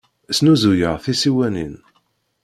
Snuzuyeɣ tisiwanin.